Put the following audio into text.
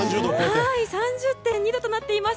３０．２度となっています。